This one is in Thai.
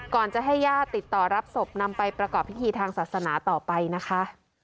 ก่อนจะให้ญาติติดต่อรับศพนำไปประกอบพิธีทางศาสนาต่อไปนะคะ